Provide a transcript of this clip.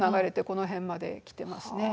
この辺まで来てますね。